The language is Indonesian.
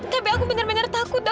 tapi aku bener bener takut dok